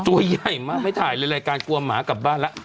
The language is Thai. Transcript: ตัวใหญ่มากไม่ถ่ายเลยรายการกลัวหมากลับบ้านแล้ว